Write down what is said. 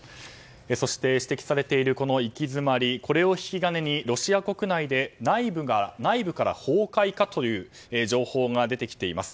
そして指摘されているこの行き詰まりこれを引き金にロシア国内で内部から崩壊か？という情報が出てきています。